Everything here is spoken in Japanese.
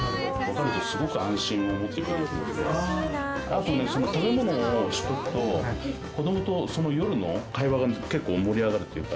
あとね食べ物をしておくと子どもと夜の会話が結構盛り上がるというか。